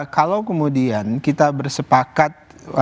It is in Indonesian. kalau kemudian kita bersepakat